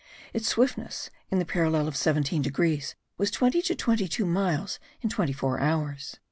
Its swiftness, in the parallel of 17 degrees, was twenty to twenty two miles in twenty four hours.